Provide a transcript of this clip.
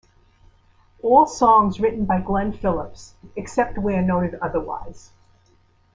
All songs written by Glen Phillips, except where noted otherwise.